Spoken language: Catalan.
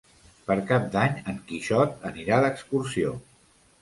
Per Cap d'Any en Quixot anirà d'excursió.